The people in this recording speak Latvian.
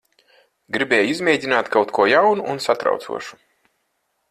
Gribēju izmēģināt kaut ko jaunu un satraucošu.